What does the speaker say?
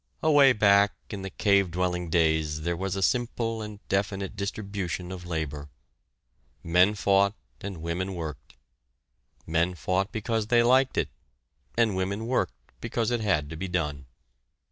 Away back in the cave dwelling days, there was a simple and definite distribution of labor. Men fought and women worked. Men fought because they liked it; and women worked because it had to be done.